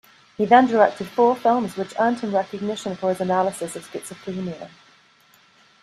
He then directed four films which earned him recognition for his analysis of schizophrenia.